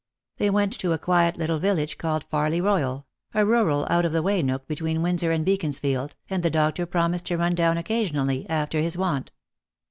They went to a quiet Little village called Farley Royal, a rural out of the way nook between Windsor and Beaconsfield, and the doctor promised to run down occasionally, after his wont.